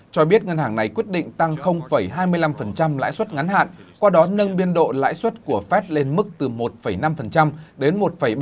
cho biết ngân hàng này quyết định tăng hai mươi năm lãi xuất ngắn hạn qua đó nâng biên độ lãi xuất của phép lên mức từ một năm đến một bảy mươi năm